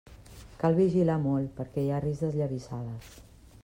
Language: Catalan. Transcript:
Cal vigilar molt perquè hi ha risc d'esllavissades.